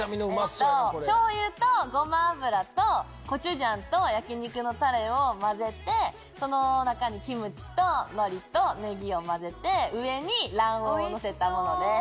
しょうゆとごま油とコチュジャンと焼き肉のタレを混ぜてその中にキムチと海苔とネギを混ぜて上に卵黄をのせたものです。